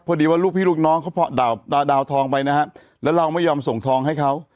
พอดีว่าลูกพี่ลูกน้องเขาเพาะดาวทองไปนะฮะแล้วเราไม่ยอมส่งทองให้เขา